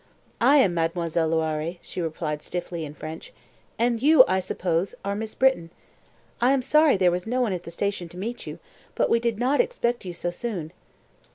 "I am Mademoiselle Loiré," she replied stiffly in French, "and you, I suppose, are Miss Britton! I am sorry there was no one at the station to meet you, but we did not expect you so soon."